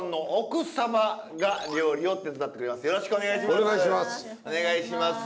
よろしくお願いします。